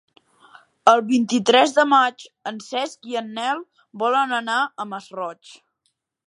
El vint-i-tres de maig en Cesc i en Nel volen anar al Masroig.